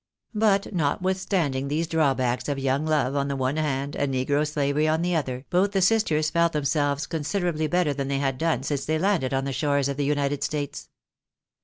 But notwithstanding these drawbacks of young love on the one hand, and negro slavery on the other, both the sisters felt themselves considerably better than they had done since they landed on the shores of the United States.